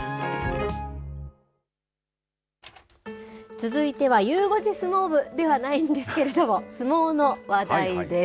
続いては、ゆう５時相撲部ではないんですけれども、相撲の話題です。